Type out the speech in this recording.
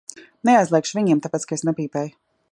Neaizliegšu viņiem, tāpēc ka es nepīpēju.